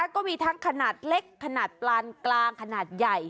ก็มีทั้งขนาดเล็กขนาดปลานกลางขนาดใหญ่